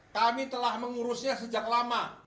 kami telah mengurusnya sejak lama